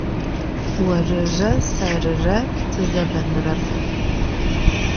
Vorıre serıre tızebenırep.